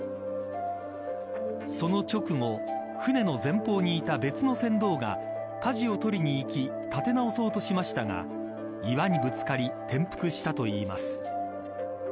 その直後舟の前方にいた別の船頭がかじを取りにいき立て直そうとしましたが岩にぶつかり転覆したといいます。